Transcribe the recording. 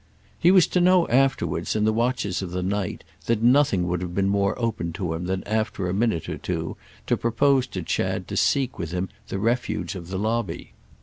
He was to know afterwards, in the watches of the night, that nothing would have been more open to him than after a minute or two to propose to Chad to seek with him the refuge of the lobby.